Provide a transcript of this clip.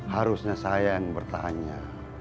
harusnya sayang bertanya